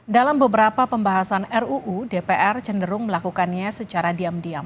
dalam beberapa pembahasan ruu dpr cenderung melakukannya secara diam diam